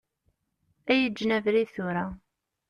Ad yi-ğğen abrid tura.